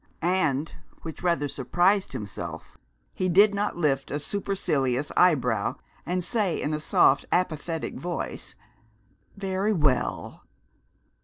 And which rather surprised himself he did not lift a supercilious eyebrow and say in a soft, apathetic voice, "Very we ell!"